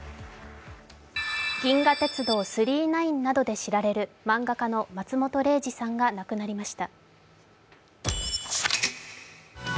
「銀河鉄道９９９」などで知られる漫画家の松本零士さんが亡くなりました。